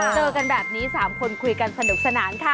เจอกันแบบนี้๓คนคุยกันสนุกสนานค่ะ